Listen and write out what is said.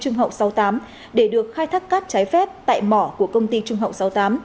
chủ tịch hội đồng trung hậu sáu mươi tám để được khai thác cắt trái phép tại mỏ của công ty trung hậu sáu mươi tám